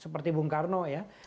seperti ibu nkarno ya